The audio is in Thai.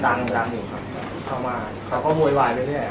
ดังดังอยู่ครับเข้ามาเขาก็โวยวายไปเรื่อย